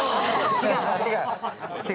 違う。